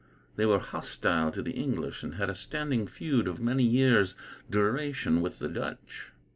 They were hostile to the English, and had a standing feud, of many years' duration, with the Dutch.